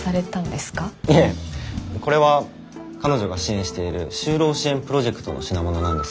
いえこれは彼女が支援している就労支援プロジェクトの品物なんです。